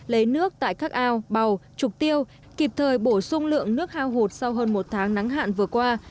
lấy nước tại các ao bào trục tiêu kịp thời bổ sung lượng nước hao hụt sau hơn một tháng nắng hạn vừa qua